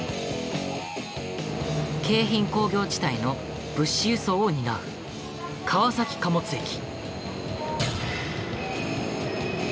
京浜工業地帯の物資輸送を担う川崎貨物駅。